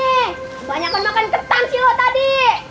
kebanyakan makan ketan sih lo tadi